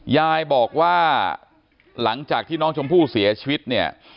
ยายบอกว่าหลังจากที่น้องชมพู่เสียชีวิตเนี่ย